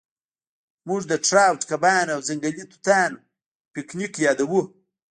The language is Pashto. موږ د ټراوټ کبانو او ځنګلي توتانو پینکیک یادوو